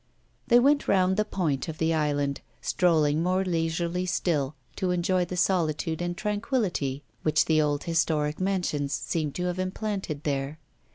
They went round the point of the island, strolling more leisurely still to enjoy the solitude and tranquillity which the old historic mansions seem to have implanted there.